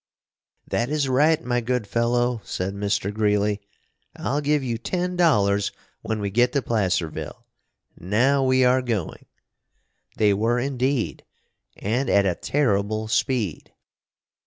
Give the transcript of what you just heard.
"That is right, my good fellow," said Mr. Greeley. "I'll give you ten dollars when we get to Placerville. Now we are going!" They were indeed, and at a terrible speed.